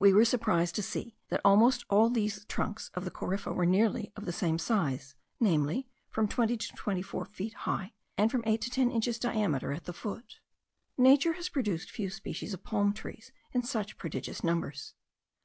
We were surprised to see that almost all these trunks of the corypha were nearly of the same size, namely, from twenty to twenty four feet high, and from eight to ten inches diameter at the foot. Nature has produced few species of palm trees in such prodigious numbers.